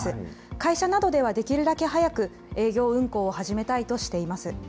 会社などではできるだけ早く営業運行を始めたいとしています。